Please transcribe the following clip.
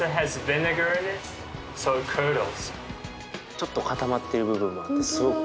ちょっと固まってる部分もあってすごくおいしいの。